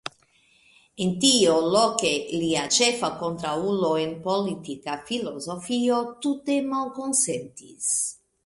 En tio, Locke, lia ĉefa kontraŭulo en politika filozofio, tute malkonsentis.